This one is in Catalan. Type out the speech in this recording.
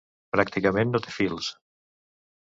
Pràcticament no té fils.